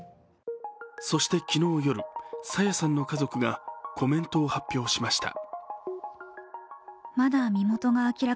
そして昨日夜、朝芽さんの家族がコメントを発表しました。